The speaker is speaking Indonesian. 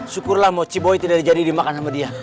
syukurlah moci boy tidak jadi dimakan sama dia